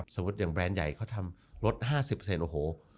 สมมุติอย่างแบรนด์ใหญ่เขาทำลด๕๐โอ้โห